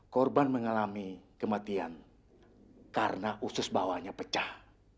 korban mengalami kematian karena usus bawahnya pecah